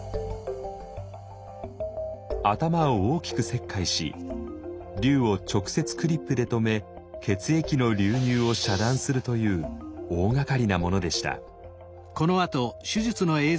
頭を大きく切開し瘤を直接クリップで留め血液の流入を遮断するという大がかりなものでした。